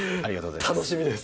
楽しみです。